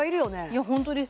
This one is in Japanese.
いや本当です